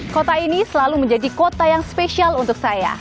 kota ini selalu menjadi kota yang spesial untuk saya